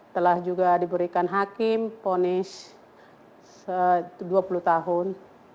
telah juga diberikan hakim ponis dua puluh tahun